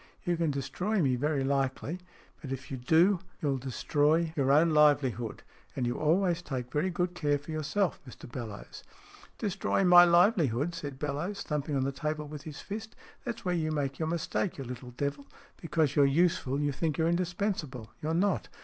You can destroy me very likely, but if you do, you'll destroy 32 STORIES IN GREY your own livelihood. And you always take very good care for yourself, Mr Bellowes." " Destroy my livelihood ?" said Bellowes, thump ing on the table with his fist. " That's where you make your mistake, you little devil ! Because you're useful, you think you're indispensable. You're not.